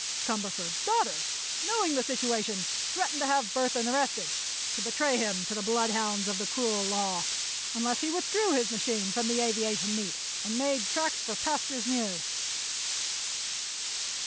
Cumberford's daughter, knowing the situation, threatened to have Burthon arrested—to betray him to the bloodhounds of the cruel law—unless he withdrew his machine from the aviation meet and made tracks for pastures new."